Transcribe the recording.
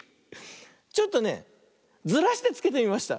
ちょっとねずらしてつけてみました。